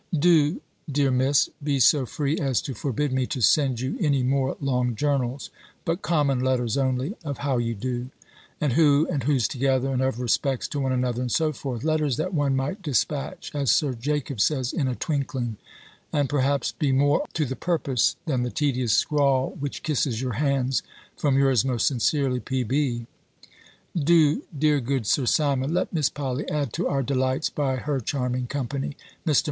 Do, dear Miss, be so free as to forbid me to send you any more long journals, but common letters only, of how you do? and who and who's together, and of respects to one another, and so forth letters that one might dispatch, as Sir Jacob says, in a twinkling, and perhaps be more to the purpose than the tedious scrawl which kisses your hands, from yours most sincerely, P.B. Do, dear good Sir Simon, let Miss Polly add to our delights, by her charming company. Mr.